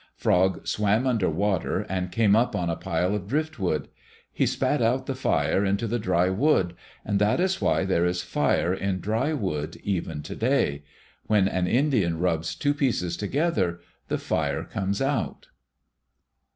Frog swam under water, and came up on a pile of driftwood. He spat out the fire into the dry wood, and that is why there is fire in dry wood even to day. When an Indian rubs two pieces together, the fire comes out.